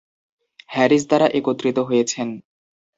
Harris দ্বারা একত্রিত হয়েছেন।